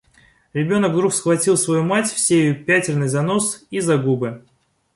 Ребенок вдруг схватил свою мать всею пятерней за нос и за губы.